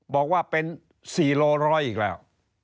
บอกว่าเป็น๔โลร้อยอีกแล้ว